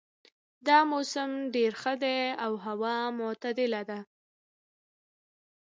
دا موسم ډېر ښه ده او هوا معتدله ده